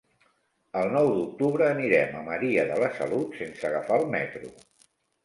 El nou d'octubre anirem a Maria de la Salut sense agafar el metro.